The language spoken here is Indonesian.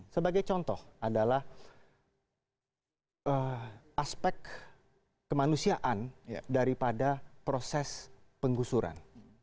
sebagai contoh adalah aspek kemanusiaan daripada proses penggusuran